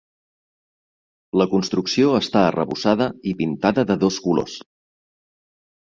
La construcció està arrebossada i pintada de dos colors.